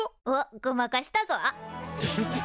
おっごまかしたぞ。